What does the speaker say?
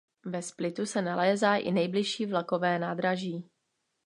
Ve Splitu se nalézá i nejbližší vlakové nádraží.